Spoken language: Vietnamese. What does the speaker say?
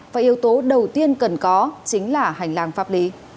và yếu tố đầu tiên cần có chính là hành lang pháp lý